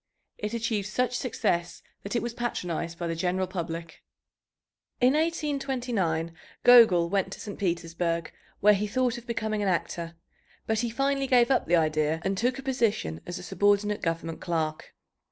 It achieved such success that it was patronized by the general public. In 1829 Gogol went to St. Petersburg, where he thought of becoming an actor, but he finally gave up the idea and took a position as a subordinate government clerk.